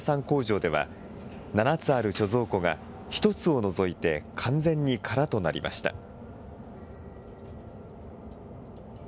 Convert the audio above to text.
工場では７つある貯蔵庫が１つを除いて完全に空となりました。